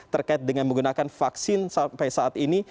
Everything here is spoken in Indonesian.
terkait dengan menggunakan vaksin sampai saat ini